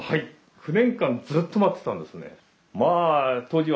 ９年間ずっと待ってたんですね。